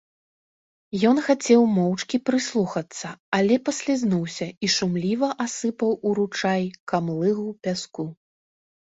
Ён хацеў моўчкі прыслухацца, але паслізнуўся і шумліва асыпаў у ручай камлыгу пяску.